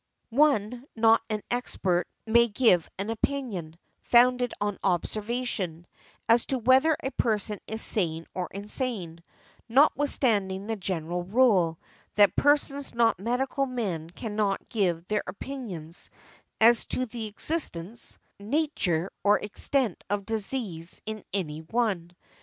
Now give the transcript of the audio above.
One not an expert may give an opinion, founded on observation, as to whether a person is sane or insane, notwithstanding the general rule, that persons not medical men cannot give their opinions as to the existence, nature or extent of disease in any one.